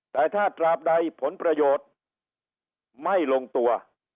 แต่ถ้าตราบใดผลประโยชน์ไม่ลงตัว